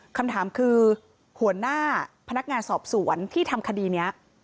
คำถามคือหัวหน้าพนักงานสอบสวนที่ทำคดีนี้